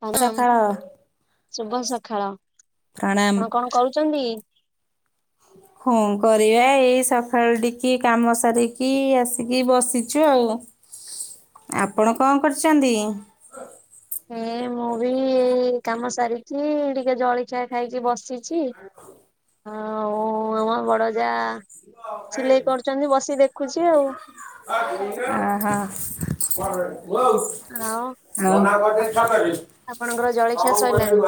[unintelligible] ସକାଳ ଶୁଭ ସକାଳ। ପ୍ରଣାମ। ଆପଣ କଣ କରୁଛନ୍ତି? [inaudible] ଫୋନ୍ କରିବା ଏଇ ସକାଳୁ ଟିକି କାମ ସାରିକି ଆସିକି ବସିଛୁ ଆଉ। ଆପଣ କଣ କରଛନ୍ତି? ହେ ମୁଁ ବି କାମ ସାରିଛି ଟିକେ ଜଳିଖିଆ ଖାଇକି ବସି ଛି ଆଉ ଆମ ବଡ ଯା ସିଲେଇ କରୁଛନ୍ତି ବସି ଦେଖୁଛି ଆଉ। ଅ ହ। ଆଉ। ହ ଆଉ ଆପଣଙ୍କର ଜଳଖିଆ ସରିଲାଣି?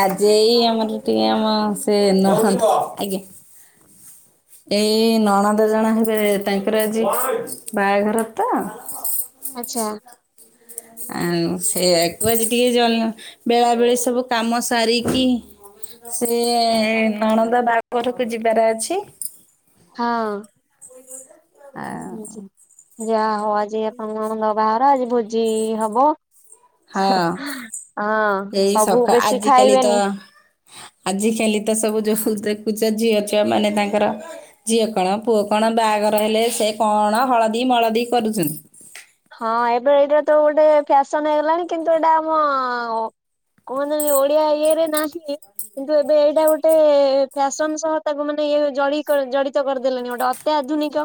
ଆଜି ଏଇ ଆମର ଟିକେ ଆମ ସେ ନାହାନ୍ତି, ଆଜ୍ଞା। ଏଇ ନଣନ୍ଦ୍ ଜଣେ ହେବେ ତାଙ୍କର ଆଜି ବାହାଘର ତ। ଆଛା। ଆଉ ସେଆକୁ ଆଜି ଟିକେ ଜ ବେଳା ବେଳି ସବୁ କାମ ସାରିକି ସିଏ ନଣନ୍ଦ ବାହାଘରକୁ ଯିବାର ଅଛି। ହଁ। ଆଉ ଯା ହଉ ଆଜି ଆପଣଙ୍କ ନଣନ୍ଦ ବାହାଘର ଆଜି ଭୋଜି ହବ। ହଁ ହଁ ଏଇ ସବୁ ସକା ବେଶୀ ଆଜିକାଲି ତ ଖାଇବେନି। ଆଜିକାଲି ତ ସବୁ ଯୋଉ ଦେଖୁଚ ଝିଅ ଛୁଆ ମାନେ ତାଙ୍କର ଝିଅ କଣ ପୁଅ କଣ ବାହାଘର ହେଲେ ସେ କଣ ହଳଦୀ ମଳଦୀ କରୁଛନ୍ତି। ହଁ ଏବେ ଏଇଟା ତ ଗୋଟେ ଫ୍ୟାସନ ହେଇଗଲାଣି କିନ୍ତୁ ଏଇଟା ଆମ କୁହନ୍ତିନି ଓଡିଆ ଇଏରେ ନାହିଁ। କିନ୍ତୁ ଏବେ ଏଇଟା ଗୋଟେ ଫ୍ୟାସନ ସହ ତାକୁ ମାନେ ଇଏ ଜଡି-ଜଡିତ କରିଦେଲେଣି ଗୋଟେ ଅ ଅତ୍ୟାଧୁନିକ,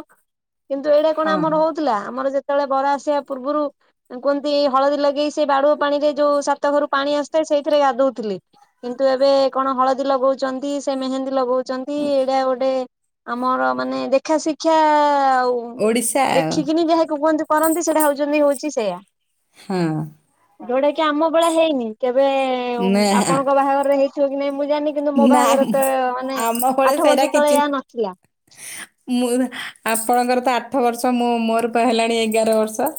କିନ୍ତୁ ଏଇଟା କଣ ହଁ ଆମର ହଉଥିଲା ଆମର ଯେତେବେଳେ ବର ଆସିବା ପୂର୍ବରୁ ତାଙ୍କୁ ଏନ୍ତି ହଳଦୀ ଲଗେଇ ସେ ବାଡୁଆ ପାଣି ରେ ଯୋଉ ସାତ ଘରୁ ପାଣି ଆସିଥାଏ ସେଇଥିରେ ଗାଧଉଥିଲେ। କିନ୍ତୁ ଏବେ କଣ ହଳଦୀ ଲଗଉଛନ୍ତି, ସେ ମେହେନ୍ଦୀ ଲଗଉ ଏଇଟା ଗୋଟେ ଆମର ମାନେ ଦେଖା ଶିକ୍ଷା ଆଉ ଓଡ଼ିଶା ଆଉ ଦେଖିକିନି ଯାହାକୁ କୁହନ୍ତି କରନ୍ତି ସେଇଟା ହଉଛନ୍ତି ହଉଛି ସେଇଆା। ହଁ। ଯୋଉଟା କି ଆମ ବେଳେ ହେଇନି, କେବେ ନା ଆପଣଙ୍କ ବାହାଘର ହେଇଥିବ କି ନାଇଁ ମୁଁ ଜାଣି କିନ୍ତୁ ମୋ ନା ବାହାଘର ତ ମାନେ ଆଠ ବର୍ଷ ତଳେ ଏହା ନଥିଲା। ହ। ମୁଁ ଆପଣଙ୍କର ତ ଆଠ ବର୍ଷ ମୁଁ ମୋର ପା ହେଲାଣି ଏଗାର ବର୍ଷ।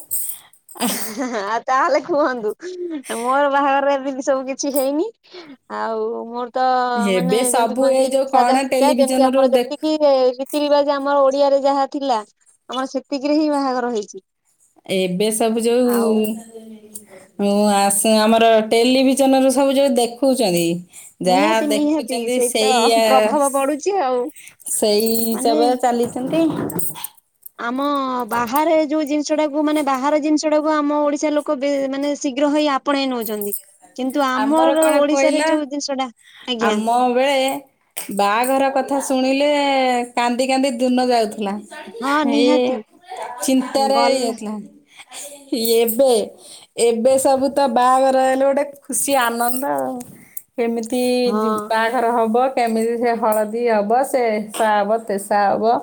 ଆ ହା। ହା ହା ହା ତାହେଲେ କୁହନ୍ତୁ ମୋର ବାହାଘରେ ଏମିତି ସବୁ କିଛି ହେଇନି। ଆଉ ମୋର ତ ମାନେ ଏବେ ଯେମିତି ସବୁ ଏଇ କୁହନ୍ତି ଯୋଉ କଣ ସାଧା ସିଧା, ଯେମତି ଟେଲିଭିଜନରୁ ଆମର ଦେ ଯେତିକି ରିତିରିବାଜ୍ ଆମର ଓଡିଆରେ ଯାହା ଥିଲା ଆମର ସେତିକିରେ ହିଁ ବାହାଘର ହେଇଛି। ଏବେ ସବୁ ଯୋଉ ଆଉ ହଁ ଆସ ଆମର ଟେଲିଭିଜନ ରୁ ସବୁ ଯଉ ଦେଖଉଛନ୍ତି। ଯାହା ନିହାତି ନିହାତି ଦେଖୁଛନ୍ତି ସେଇ ତ ସେଇଆ, ପ୍ରଭାବ ପଡୁଛି ଆଉ ସେଇ ମାନେ ହିସାବରେ ଚାଲି ଛନ୍ତି। ଆମ ବାହାରେ ଯୋଉ ଜିନିଷ ଟାକୁ ମାନେ ବାହାର ଜିନିଷ ଟାକୁ ଆମ ଓଡି ଶା ଲୋକ ମାନେ ଶୀଘ୍ର ହେଇ ଆପଣେଇ ନେଉଛନ୍ତି। କିନ୍ତୁ ଆମର ଓଡିଶାରେ ଯୋଉ ଜିନିଷ ଟା, ଆଜ୍ଞା। ହଁ ବେ ବାହାଘର କଥା ଶୁଣିଲେ କାନ୍ଦି କାନ୍ଦି ଦୁନ ଯାଉଥିଲା। ହଁ ହେଇ ନିହାତି ଚିନ୍ତାରେ ଗଲା ଇଏଥିଲା। ଏବେ, ଏବେ ସବୁ ତ ବାହାଘର ହେଲେ ଗୋଟେ ଖୁସି ଆନନ୍ଦ ଆଉ, କେମିତି ହଁ ଯିବା ଘର ହବ, କେମିତି ସେ ହଳଦୀ ହବ, ସେ ଏସା ହବ, ତେସା ହବ।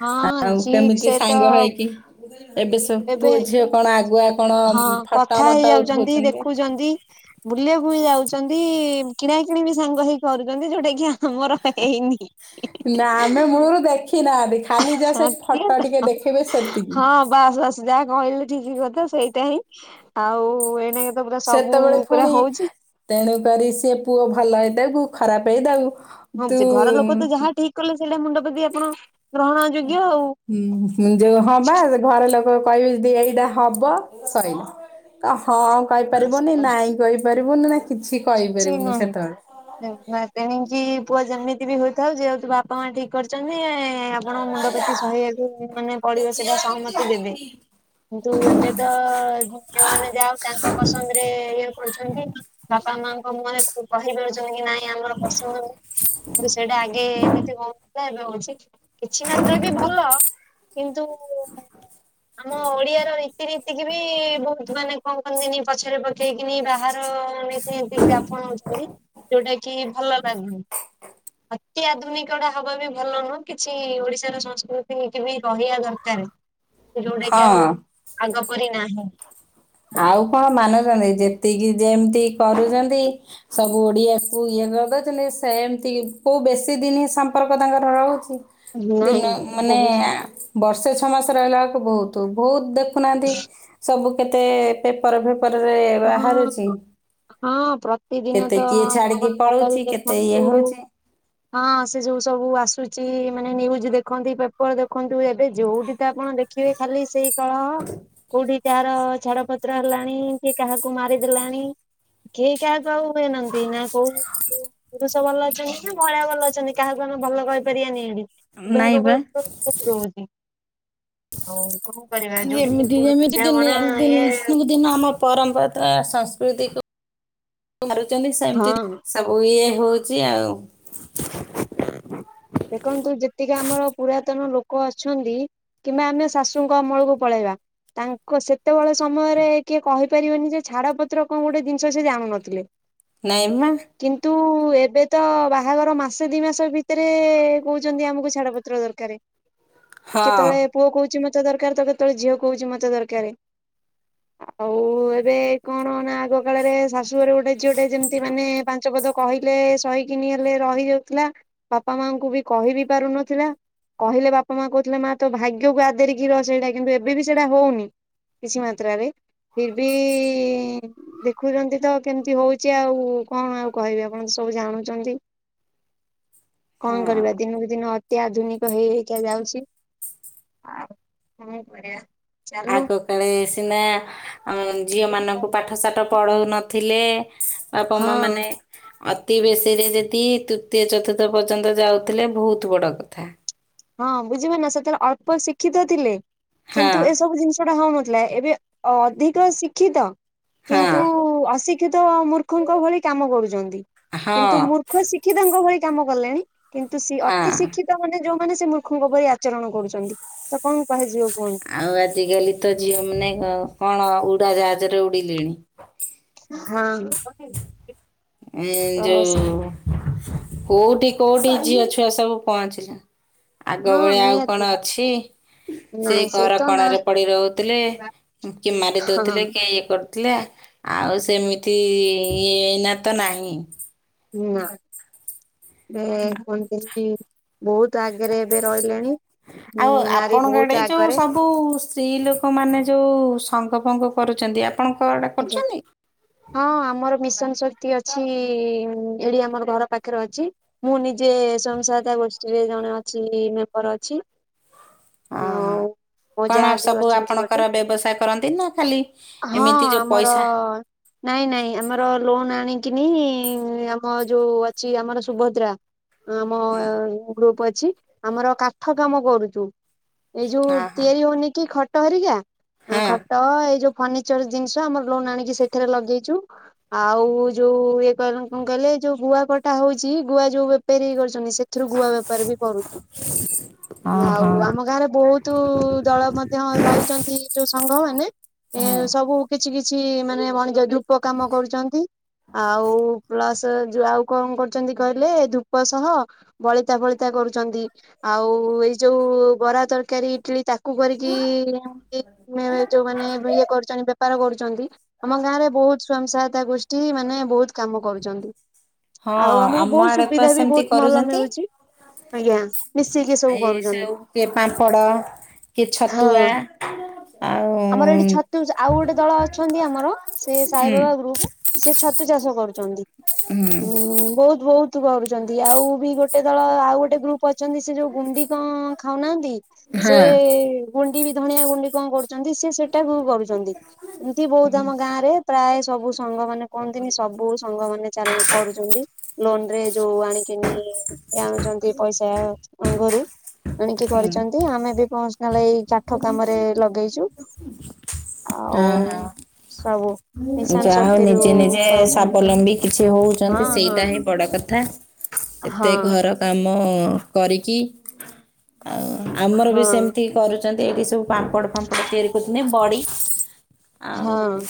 ହଁ ଆଉ ଜି କେମିତି ସେ ତ ସାଙ୍ଗ ହେଇକି, ଏବେ ସବୁ ଏବେ ପୁଅ ଝିଅ କଣ ଆଗୁଆ କଣ ହଁ ଫଟୋ କଥା ମଟ ହେଇଯାଉଛନ୍ତି, ଉଠଉଛନ୍ତି। ଦେଖୁଚନ୍ତି ବୁଲିବାକୁ ବି ଯାଉଛନ୍ତି, କିଣା କିିଣି ବି ସାଙ୍ଗ ହେଇ କରୁଛନ୍ତି, ଯୋଉଟା କି ଆ ତୁମର ହେଇନି ନା ଆମେ [unintelligible] ମୂଳରୁ ଦେଖି ନାହାନ୍ତି, ଖାଲି ଯା ସେ ହଁ ଫଟୋ ଟିକେ ଦେଖେଇବେ ସେତିକି। ବାସ, ବାସ, ଯାହା କହିଲେ ଠିକ କଥା, ସେଇଟା ହିଁ, ଆଉ ଏଣେ ତ ପୁରା, ସବୁ ପୁରା ହଉଚି। ତେଣୁ କରି ସେ ପୁଅ ଭଲ ହେଇଥାଉ କି ଖରାପ ହେଇଥାଉ ହଉଛି, ଘର ଲୋକ ତ ତୁ ଯାହା ଠିକ କଲେ, ସେଇଟା ମୁଣ୍ଡପାତି ଆପଣ ଗ୍ରହଣ ଯୋଗ୍ୟ ଆଉ ହୁଁ ଯୋଉ ହଁ ବା, ଘର ଲୋକ କହିବେ ଯଦି ଏଇଟା ହବ, ସଇଲା, ତ ହଁ କଇପାରିବନି, ନାଇଁ କଇପାରିବୁନି, ନା କିଛି କଇ ସେ ପାରିବୁନି, ନାହିଁ ସେତେବେଳେ। ତେଣିକି ପୁଅ ଯେମିତି ବି ହୋଇଥାଉ, ଯେହେତୁ ବାପା, ମା ଠିକ କରିଛନ୍ତି ଆପଣଙ୍କୁ ମୁଣ୍ଡପାତି ସହିବାକୁ ମାନେ ପଡିବ ସେଇଟା, ସହମତି ଦେବେ। କିନ୍ତୁ ଏବେ ତ, ଭଉଣୀ ମାନେ ଯାଉ ହେଉ ତାଙ୍କ ପସନ୍ଦ ରେ ଇଏ କରୁଛନ୍ତି। ବାପା ମାଙ୍କ ମୁହଁରେ କହିପାରୁଛନ୍ତି କି ନାଇଁ, ଆମର ପସନ୍ଦ ନୁହଁ। କିନ୍ତୁ ସେଇଟା ଆଗେ ଏମିତି ହଉ ନଥିଲା, ଏବେ ହଉଛି। କିଛି ମାତ୍ରା ବି ଭଲ କିନ୍ତୁ ଆମ ଓଡିଆର ରିତି ନିତିକିବି, ବହୁତ ମାନେ କଣ କହନ୍ତିନି ପଛରେ ପକେଇକିନି, ବାହାର ମାନେ ଆପଣ ହଉଛନ୍ତି, ଯୋଉଟା କି ଭଲ ଲାଗୁନି। ଅତି ଆଧୁନିକଟା ହବା ବି ଭଲ ନୁହଁ, କିଛି ଓଡିଶାର ସଂସ୍କୃତି ରିତି ବି ରହିବା ଦର [unintelligible] ଯୋଉଟା କି ହଁ ଆଉ ଆଗ ପରି ନାହିଁ। ଆଉ କଣ ମାନୁଛନ୍ତି? ଯେତିକି ଯେମିତି କରୁଛନ୍ତି। ସବୁ ଓଡିଆକୁ ଇଏ କରିଦଉଛନ୍ତି, ସେମିତି, କୋଉ ବେଶୀ ଦିନି ହି ସମ୍ପର୍କ ତାଙ୍କର ରହୁଛି? ନାଇଁ ଦିନେ ମାନେ ବହୁତ ଆଁ ବର୍ଷେ ଛଅ ମାସ ରହିଲା ବେଳକୁ ବହୁତ, ବହୁତ ଦେଖୁନାହାନ୍ତି, ସବୁ କେତେ ପେପର ଫେପର ପେପରରେ ବାହାରିଚି। ହଁ ହଁ ପ୍ରତିଦିନ କେତେ ତ କିଏ ଛାଡିକି ଆପଣ ମୋବାଇଲ ପଳଉଛି, କେତେ ଇଏ ଦେଖନ୍ତୁ ହଉଛି। ହଁ ସେ ସବୁ ଆସୁଛି, ମାନେ ନ୍ୟୁଜ ଦେଖନ୍ତି, ପେପର ଦେଖନ୍ତୁ, ଏବେ ଯୋଉଠି ତ ଆପଣ ଦେ ଦେଖିବେ ଖାଲି ସେଇ କଳହ, କୋଉଠି କାହାର ଛାଡ ପତ୍ର ହେଲାଣି କିଏ କାହାକୁ ମାରିଦେଲାଣି, କେହି କାହାକୁ ଆଉ ହୁଏନାହାନ୍ତି, ନା କୋଉ ପୁରୁଷ ଭଲ ଅଛନ୍ତି ନା, ମହିଳା ଭଲ ଅଛନ୍ତି, କାହାକୁ ଆମେ ଭଲ କହିପାରିବାନି ଏଠି। ନାଇଁ ବା [unintelligible] ଆଉ କଣ କରିବା? ଯୋଉଠି କି ଯେମିତି ଯେମିତି ବୁଝା ଦିନେ ମଣା ଇଏ ଦିନକୁ ଦିନ ଆମ ପରମ୍ପରା, ସଂସ୍କୃତିକୁ ମାରୁଛନ୍ତି ସେମିତି ହଁ ସବୁ ଇଏ ହଉଛି ଆଉ। ଦେଖନ୍ତୁ, ଯେତିକି ଆମର ପୁରାତନ ଲୋକ ଅଛନ୍ତି କିମ୍ବା ଆମେ ଶାଶୁଙ୍କ ଅମଳକୁ ପଳେଇବା। ତାଙ୍କ ସେତେବେଳ ସମୟରେ କିଏ କହିପାରିବନି ଯେ, ଛାଡ ପତ୍ର କଣ ଗୋଟେ ଜିନିଷ ସେ ଜାଣୁ ନଥିଲେ। ନାଇଁ ମ କିନ୍ତୁ ଏବେ ତ ବାହାଘର ମାସେ, ଦି ମାସ ଭିତରେ କହୁଛନ୍ତି ଆମକୁ ଛାଡ ପତ୍ର ଦରକାର, ହଁ କେତେବେଳେ ପୁଅ କହୁଛି ମୋତେ ଦରକାର ତ, କେତେବେଳେ ଝିଅ କହୁଛି ମତେ ଦରକାର। ଆଉ ଏବେ କଣ ନା, ଆଗ କାଳରେ ଶାଶୁ ଶାଶୁ ଘରେ ଗୋଟେ ଝିଅଟେ ଯେମିତି ମାନେ ପାଞ୍ଚ ପଦ କହିଲେ ସହିକିନି ହେଲେ ରହିଯାଉଥିଲା ବାପା, ମାଙ୍କୁ ବି କହିବି ପାରୁନଥିଲା କହିଲେ ବାପା, ମା କହୁଥିଲେ ମା ତୋ ଭାଗ୍ୟକୁ ଆଦରିକି ରହ ସେଇଟା କିନ୍ତୁ ଏବେ ବି ସେଇଟା ହଉନି। କିଛି ମାତ୍ରାରେରେ ଫିର୍ ବି ଦେଖୁଛନ୍ତି ତ କେମିତି ହଉଛି ଆଉ କଣ ଆଉ କହିବି ଆପଣ ତ ସବୁ ଜାଣୁଛନ୍ତି। କଣ ହଁ କରିବା ଦିନକୁ ଦିନ ଅ ଏତେ ଆଧୁନିକ ହେଇ ହେଇକି ଯାଉଛି ଆଉ କଣ କରିବା? ଚାଲୁ ଆଗ କାଳେ ସିନା ଝିଅ ମାନଙ୍କୁ ପାଠ ପାଠ ସାଠ ପଢଉ ନଥିଲେ ବାପ ମା ହଁ ମାନେ ଅତି ବେଶୀରେ ଯଦି ତୃତୀୟ ଚତୁର୍ଥ ପର୍ଯ୍ୟନ୍ତ ଯାଉଥିଲେ ବହୁତ ବଡ଼ କଥା। ହଁ ବୁଝିବ ନା ସେତେବେଳେ ଅଳ୍ପ ଶିକ୍ଷିତ ଥିଲେ ହଁ କିନ୍ତୁ ଏସବୁ ଜିନିଷ ଟା ହଉନଥିଲା ଏବେ ଅଧିକ ଶିକ୍ଷିତ ହଁ କିନ୍ତୁ ଅଶିକ୍ଷିତ ମୂର୍ଖଙ୍କ ଭଳି କାମ କରୁଛନ୍ତି। କିନ୍ତୁ ମୂ ହଁ [unintelligible] ଶିକ୍ଷିତଙ୍କ ଭଳି କାମ କଲେଣି କିନ୍ତୁ ସ ଅତି ହଁ ଶିକ୍ଷିତ ମାନେ ଯୋଉ ମାନେ ସେ ମୂର୍ଖଙ୍କ ପରି ଆଚରଣ କରୁଛନ୍ତି। ତ କଣ କହାଯିବ କୁହନ୍ତୁ? ଆଉ ଆଜିକାଲି ତ ଝିଅମାନୋନ କଣ ଉଡ଼ାଜାହାଜରେ ଉଡ଼ିଲେଣି। ହଁ ଉଁ ତ ଯୋଉ କୋଉଠି କୋଉଠି ଝିଅ ଛୁଆ ସବୁ ପହଞ୍ଚିଲେ ଆଗ ହଁ ଭଳିଆ ଆଉ କଣ ନିହାତି ଅଛି? ସେ ନାଇଁ ଘର ତ କଣରେ ନାହିଁ ପଡି ରହୁଥିଲେ। କି ମାରି ହଁ ଦଉଥିଲେ କି ଇଏ [unintelligible] ଆଉ ସେମିତି ନା ତ ନାହିଁ। ନାଁ ଏ କ ବହୁତ ଆଗରେ ଏବେ ରହିଲେଣି। ହୁଁ ଆଉ ନାରୀ ଆପଣଙ୍କ ବହୁତ ଏଡେ ଯୋଉ ଆଗରେ ସବୁ ଆଉ ସ୍ତ୍ରୀ ଲୋକମାନୋନେ ଯୋଉ ସଙ୍ଗ ଫଙ୍ଗ କରୁଛନ୍ତି ଆପଣ [unintelligible] ଆଜ୍ଞା। କରୁଛନ୍ତି? ହଁ ଆମର ମିଶନ ଶକ୍ତି ଅଛି ଏଠି ଆମର ଘର ପାଖରେ ଅଛି। ମୁଁ ନିଜେ ସଵୟଂ ସହାୟତା ଗୋଷ୍ଠୀରେ ଜଣେ ଅଛି ମେମ୍ବର ଅଛି। ଓହୋ [unintelligible] ଯା କଣ ବି ସବୁ ଅଛନ୍ତି ଗୋଟେ ଆପଣଙ୍କର ବ୍ୟବସାୟ କରନ୍ତି ନା ଖାଲି ହଁ ଏମିତି ଯୋଉ ପଇସା [unintelligible] ନାଇଁ ନାଇଁ ଆମର ଲୋନ ଆଣିକିନି ଆମ ଯୋଉ ଅଛି ଆମର ସୁଭଦ୍ରା ଆମ ହୁଁ ଗ୍ରୁପ ଅଛି ଆମର କାଠ କାମ କରୁଛୁ। ଏଇ ଯୋଉ ହଁ ହଁ ତିଆରି ହଉନି କି ଖଟ ହେରିକା ହଁ। ଖଟ ଏଇ ଯୋଉ ଫର୍ଣିିଚର ଜିନିଷ ଆମ ଲୋନ ଆଣିକି ସେଥିରେ ଲଗେଇଛୁ। ଆଉ ଯୋଉ ଇଏ କହିଲ କଣ କହିଲେ ଯୋଉ ଗୁଆ କଟା ହଉଛି ଗୁଆ ଯୋଉ ବେପାରୀଇ କରୁଛନ୍ତି ସେ ଏଥିରୁ ଗୁଆ ବେପାର ବି କରଛୁ। ଆଉ ଓହୋ। ଆମ ଗାଁରେ ବହୁତ ଦଳ ମଧ୍ୟ ରହିଛନ୍ତି ଯୋଉ ସଂଘ ମାନେ ଏ ହଁ ସବୁ କିଛି କିଛି ମାନେ ବଣିଜ ଧୂପ କାମ କରୁଛନ୍ତି। ଆଉ ପ୍ଲସ ଆଉ କଣ କରୁଛନ୍ତି କହିଲେ ଧୂପ ସହ ବଳିତା ଫଳିତା କରୁଛନ୍ତି। ଆଉ ଏଇ ଯୋଉ ବରା ତରକାରୀ ଇଟଲି ତାକୁ କରିକି ଯୋଉମାନେ ଇଏ କରୁଛନ୍ତି ଉପ କରୁଛନ୍ତି ଆମ ଗାଁ ରେ ବହୁତ ସ୍ଵୟଂ ସହାୟତା ଗୋଷ୍ଠୀ ମାନେ ବହୁତ କାମ କରୁଛନ୍ତି। ହଁ ଆଉ ଆମକୁ ଆମ ବହୁତ ଆଡେ ପା ସୁବିଧା ବି ସେମିତି ବହୁତ ଭଲ କରୁଛନ୍ତି। ମିଳୁଛି। ଆଜ୍ଞା ମିଶିକି ସବୁ ଏ କରୁଛନ୍ତି ସଉ କିଏ ପାମ୍ପଡ, କିଏ ଛତୁଆ ହଁ। ଆଉ ଆମର ଏଠି ଛତୁଶ ଆଉ ଗୋଟେ ଦଳ ଅଛନ୍ତି ଆମର ସେ ହୁଁ ହୁଁ ସାଇବାବା ଗ୍ରୁପ ସେ ଛତୁ ଚାଷ କରୁଛନ୍ତି। ହ ବହୁତ ବହୁତ ତୁ କରୁଚନ୍ତି ଆଉ ବି ଗୋଟେ ଦଳ ଆଉ ଗୋଟେ ଗ୍ରୁପ ଅଛନ୍ତି ସେ ଯୋଉ ଗୁଣ୍ଡି କଁ ଖାଉନାହାନ୍ତି ସେ ହଁ ଗୁଣ୍ଡି ବି ଧଣିଆ ଗୁଣ୍ଡି କଁ କରୁ ଚନ୍ତି ସିଏ ସେଟାକୁ କରୁଚନ୍ତି। ଏମିତି ବୋହୁତ ଆମ ଗାଁ ରେ ପ୍ରାଏ ସବୁ ସଂଘ ମାନେ କୁହନ୍ତିନି ସବୁ ସଂଘ ମାନେ ଚାଲ କରୁଚନ୍ତି। ଲୋନ ରେ ଯୋଉ ଆଣିକିନି ଏଇ ଆଣୁଛନ୍ତି ପଇସା ଅଙ୍ଗରୁ ଆଣିକି ହୁଁ କରିଚନ୍ତି ଆମେ ବି [unintelligible] ଏଇ କାଠ କାମରେ ଲଗେଇଚୁ। ହଁ ହଁ। ମିଶନ ଯାହା ହଉ ଶକ୍ତିରୁ ନିଜେ ନିଜେ ପାଉଛନ୍ତି। ସାଵଲମ୍ବୀ କିଛି ହଁ ହୋଉଚନ୍ତି ହଁ ସେଇଟା ହିଁ ବଡ କ ଥା ଏତେ ହଁ ଘର କାମ କରିକି ଆଉ ଆମର ବି ହଁ ସେମିତି କରୁ ଚନ୍ତି ଏଇଠି ସବୁ ପାମ୍ପଡ ଫାମ୍ପଡ ତିଆରି କରୁଛନ୍ତି ବଡି ଆଉ ହଁ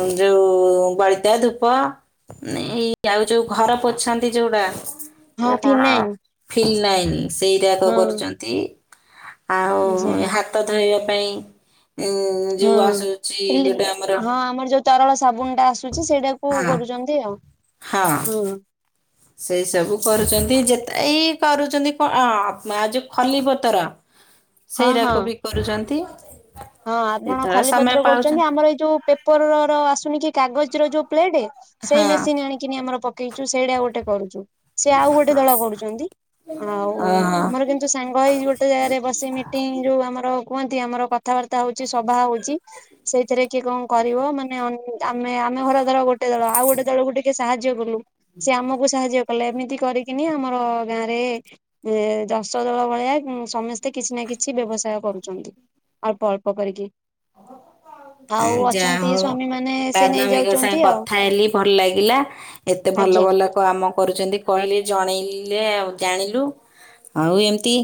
ଉଁ ଯୋଉ ବଳିତା ଧୂପ। ଉଁ ଏଇ ଆଉ ଯୋଉ ଘର ପୋଛନ୍ତି ଯୋଉରା। ହଁ ହେରା କଣ ଫିନାଇନ୍ ଫିଲାଇନ୍ ସେଇରାକ ହଁ କରୁଚନ୍ତି। [unintelligible] ହାତ ଧୋଇବା ପାଇଁ ଉଁ ଯେଉଁ ହଁ। ଆସୁଛି ଗୋଟେ ଆମର ହଁ ଆମର ଯୋଉ ତରଳ ସାବୁନ ଟା ଆସୁଚି ସେଇଡ଼ାକୁ ହଁ କରୁଚନ୍ତି ଆଉ। ହଁ। ସେଇ ସବୁ କରୁଚନ୍ତି ଯେତେ ଏଇ କରୁଚନ୍ତି କଁ ଅଁ ମା ଯୋଉ ଖଲି ପତର ହଁ ହଁ। ସେଇରାକୁ ବି କରୁଚନ୍ତି। ହଁ ଆପଣ ଖଲି ପତ୍ର କରୁଚନ୍ତି ଆମର ଏଇ ଯୋଉ ପେପର ର ଆସୁନି କି କାଗଜ ର ଯୋଉ ପ୍ଲେଟେ। ସେଇ ହଁ ମେସିନ୍ ଆଣିକିନି ଆମର ପକେଇଚୁ ସେଇଟା ଗୋଟେ କରୁଚୁ। ସିଏ ଆଉ ଗୋଟେ ହଁ ଦଳ କରୁଚନ୍ତି ଆଉ ଓହୋ ଆମର କି ଯୋଉ ସାଙ୍ଗ ହେଇ ଗୋଟେ ଜାଗାରେ ବସି ମିଟିଙ୍ଗି ଯୋଉ ଆମର କୁହନ୍ତି ଆମର କ କଥାବାର୍ତ୍ତା ହୋଉଚି ସଭା ହୋଉଚି ସେଇଥିରେ କିଏ କଁ କରିବ ମାନେ [unintelligible] ଆମେ ଆମେ [unintelligible] ଗୋଟେ ଦଳ ଆଉ ଗୋଟେ ଦଳକୁ ଟିକେ ସାହାଯ୍ୟ କଲୁ ସିଏ ଆମକୁ ସାହାଯ୍ୟ କଲେ ଏମିତି କରିକିନି ଆମର ଗାଁ ରେ ଏଁ ଦଶ ଦଳ ଭଳିଆ ସମସ୍ତେ କିଛି ନା କିଛି ବ୍ୟବସାୟ କରୁଚନ୍ତି। ଅଳ୍ପ ଅଳ୍ପ କରିକି। [unintelligible] ଏଁ ଆଉ ଯା ଅଛନ୍ତି ହୋଉ ସ୍ଵାମୀ ମାନେ [unintelligible] ସେ ନେଇ ସାଙ୍ଗେ ଯାଉଛନ୍ତି ଆଉ କଥା ହେଲି ଭଲ ଲାଗିଲା। ଏତେ ଭଲ ଆଜ୍ଞା ଭଲ କାମ କରୁଚନ୍ତି କହିଲେ ଜଣେଇଲେ ଆଉ ଜାଣିଲୁ। ଆଉ ଏମିତି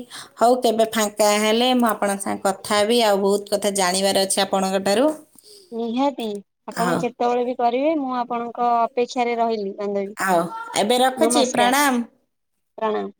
ହୋଉ କେବେ ଫାଙ୍କା ହେଲେ ମୁଁ ଆପଣଙ୍କ ସାଙ୍ଗେ କଥା ହେବି ଆଉ ବୋହୁତ କଥା ଜାଣିବାର ଅ ଛି ଆଚ୍ଛା ଆପଣଙ୍କଠାରୁ। ନିହାତି ଆପଣ କେତୋବୋଳେ ବି କରିବେ ମୁଁ ଆପଣଙ୍କ ଅପେକ୍ଷାରେ ରହିଲି। ବାନ୍ଧବୀ ଆଉ ଏବେ ରଖୁଛି ନମସ୍କାର ପ୍ରଣାମ। ପ୍ରଣାମ।